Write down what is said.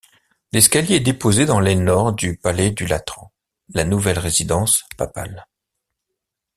L'escalier est déposé dans l'aile nord du palais du Latran, la nouvelle résidence papale.